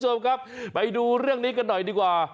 คุณผู้ชมครับไปดูเรื่องนี้กันหน่อยดีกว่า